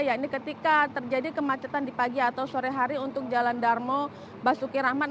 ya ini ketika terjadi kemacetan di pagi atau sore hari untuk jalan darmo basuki rahmat